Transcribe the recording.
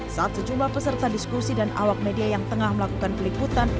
saat sejumlah peserta diskusi dan awak media yang tengah melakukan peliputan